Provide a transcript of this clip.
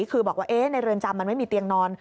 คือบอกว่าในเรือนจำมันไม่มีเตียงนอน